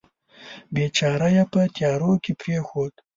بیچاره یې په تیارو کې پرېښود.